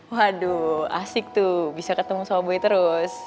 waduh asik tuh bisa ketemu sama buy terus